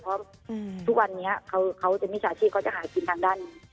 เพราะวันนี้เขาจะไม่ชาชิบเขาจะหากินทางด้าน